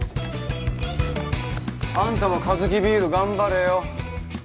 あんたもカヅキビール頑張れよ。